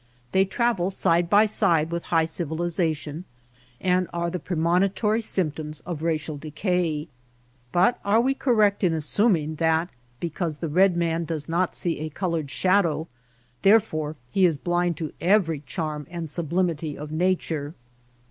They travel side by side with high civilization and are the premonitory symptoms of racial decay. But are we correct in assuming that because the red man does not see a colored shadow therefore he is blind to every charm and sub limity of nature